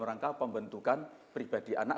rangka pembentukan pribadi anak